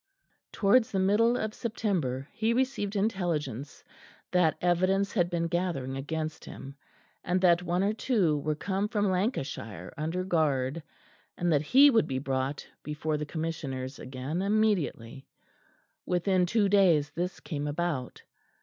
Towards the middle of September he received intelligence that evidence had been gathering against him, and that one or two were come from Lancashire under guard; and that he would be brought before the Commissioners again immediately. Within two days this came about.